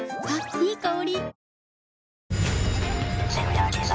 いい香り。